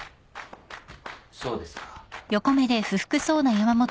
そうですか。